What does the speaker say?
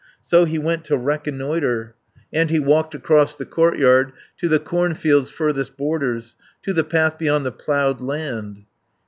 So he went to reconnoitre, And he walked across the courtyard, To the cornfield's furthest borders, To the path beyond the ploughed land.